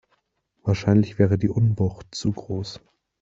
Wahrscheinlich wäre die Unwucht zu groß.